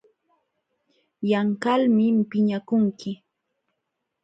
Yanqalmi piñakunki.